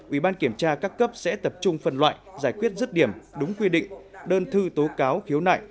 ủy ban kiểm tra các cấp sẽ tập trung phần loại giải quyết rứt điểm đúng quy định đơn thư tố cáo khiếu nại